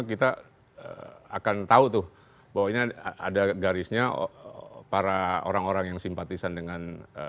kita akan tahu tuh bahwa ini ada garisnya para orang orang yang simpatisan dengan